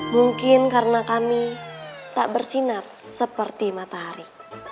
mungkin karena kami tak bersinar seperti matahari